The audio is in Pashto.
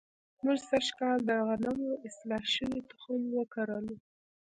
موږ سږ کال د غنمو اصلاح شوی تخم وکرلو.